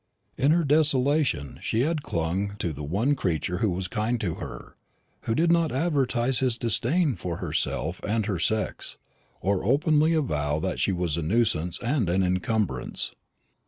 In her desolation she had clung to the one creature who was kind to her, who did not advertise his disdain for herself and her sex, or openly avow that she was a nuisance and an encumbrance.